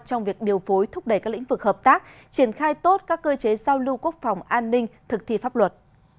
trong việc điều phối thúc đẩy các lĩnh vực hợp tác triển khai tốt các cơ chế giao lưu quốc phòng an ninh thực thi pháp luật